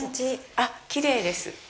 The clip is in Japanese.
あっ、きれいです。